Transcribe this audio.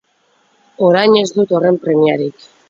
Orain ez dut horren premiarik.